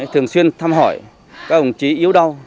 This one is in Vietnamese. thường xuyên thăm hỏi các ủng trí yếu đau